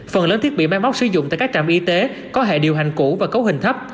phần lớn thiết bị máy móc sử dụng tại các trạm y tế có hệ điều hành cũ và cấu hình thấp